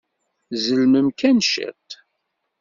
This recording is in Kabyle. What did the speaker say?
Tzelmem kan ciṭ.